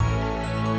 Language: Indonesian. kamu siap hendaru